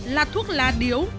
là thuốc lá điếu